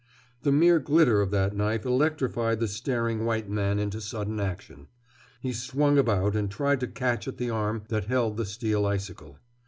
The mere glitter of that knife electrified the staring white man into sudden action. He swung about and tried to catch at the arm that held the steel icicle.